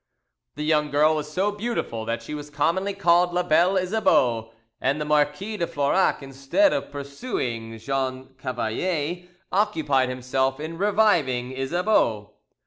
The young girl was so beautiful that she was commonly called la belle Isabeau, and the Marquis de Florac, instead of pursuing Jean Cavalier, occupied himself in reviving Isabeau.